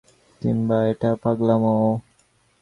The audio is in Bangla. কিংবা এটা পাগলামো।